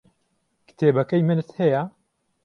کتێبەکەی منت هەیە؟